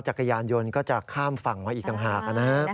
จักรยานยนต์ก็จะข้ามฝั่งมาอีกต่างหากนะฮะ